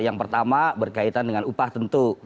yang pertama berkaitan dengan upah tentu